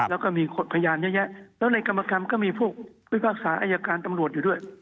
แล้วก็มีคนพยายามเยอะแล้วในกรรมกรรมก็มีพวกวิภาคศาสตร์อายการตำรวจอยู่ด้วย